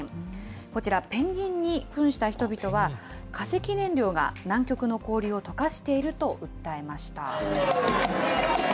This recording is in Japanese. こちら、ペンギンにふんした人々は、化石燃料が南極の氷をとかしていると訴えました。